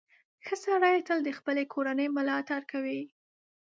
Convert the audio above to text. • ښه سړی تل د خپلې کورنۍ ملاتړ کوي.